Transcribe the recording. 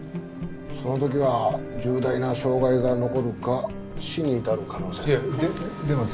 その時は重大な障害が残るか死に至る可能性も。